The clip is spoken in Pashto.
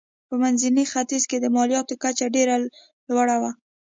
په منځني ختیځ کې د مالیاتو کچه ډېره لوړه وه.